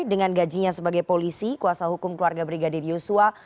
dengan gajinya sebagai polisi kuasa hukum keluarga brigadir yosua